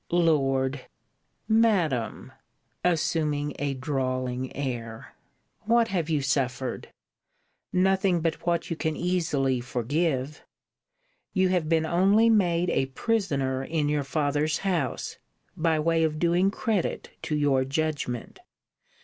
Lord! Madam, [assuming a drawling air] What have you suffered? Nothing but what you can easily forgive. You have been only made a prisoner in your father's house, by way of doing credit to your judgment!